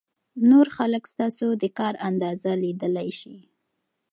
نور خلک ستاسو د کار اندازه لیدلای شي.